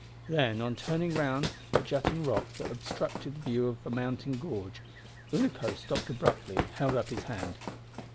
Then, on turning round a jutting rock that obstructed the view up a mountain gorge, Unaco stopped abruptly and held up his hand.